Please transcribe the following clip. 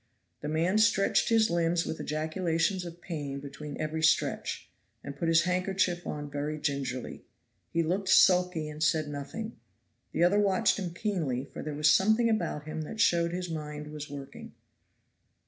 The man stretched his limbs with ejaculations of pain between every stretch, and put his handkerchief on very gingerly. He looked sulky and said nothing. The other watched him keenly, for there was something about him that showed his mind was working.